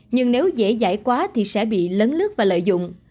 nhưng nếu dễ giải quá thì sẽ bị lấn lướt và lợi dụng